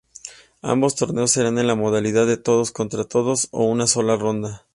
Ambos torneos serán en la modalidad de todos contra todos a una sola ronda.